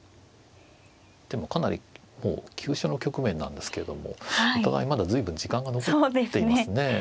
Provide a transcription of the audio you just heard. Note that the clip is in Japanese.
でもかなりもう急所の局面なんですけどもお互いまだ随分時間が残っていますね。